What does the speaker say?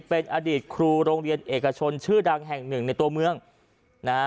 เป็นอดีตครูโรงเรียนเอกชนชื่อดังแห่งหนึ่งในตัวเมืองนะฮะ